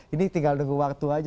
ini tinggal nunggu waktu aja